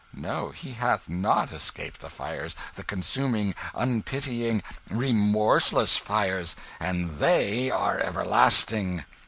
No, he hath not escaped the fires, the consuming, unpitying, remorseless fires and they are everlasting!"